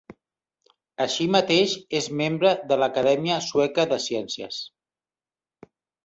Així mateix és membre de l'Acadèmia Sueca de Ciències.